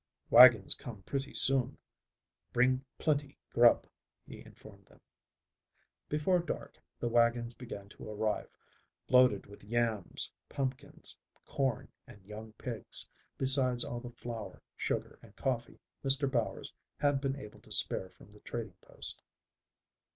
"Wagons come pretty soon, bring plenty grub," he informed them. Before dark the wagons began to arrive, loaded with yams, pumpkins, corn, and young pigs, besides all the flour, sugar and coffee Mr. Bowers had been able to spare from the trading post.